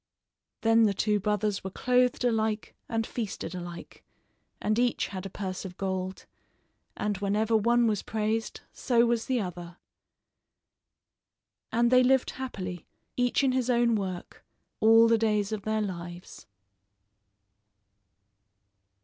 Then the two brothers were clothed alike and feasted alike, and each had a purse of gold; and whenever one was praised, so was the other. And they lived happily, each in his own work, all the days of their lives.